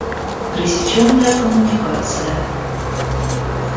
Пресеченная коммуникация…